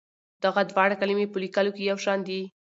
دغه دواړه کلمې په لیکلو کې یو شان دي.